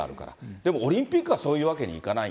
でも、オリンピックはそういうわけにはいかない。